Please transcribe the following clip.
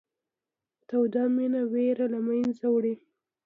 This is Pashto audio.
توده مینه وېره له منځه وړي.